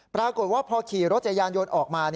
ปรากฏว่าพอขี่รถจักรยานยนต์ออกมา